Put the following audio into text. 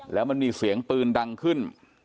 แล้วมันมีเสียงปืนดังขึ้น